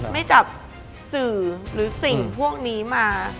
ไม่จับสื่อหรือสิ่งพวกนี้มา